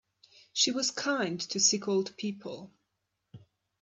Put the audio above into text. She was kind to sick old people.